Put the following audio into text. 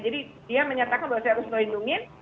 jadi dia menyatakan bahwa saya harus mewindungin